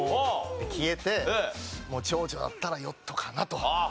消えてちょうちょだったらヨットかなと。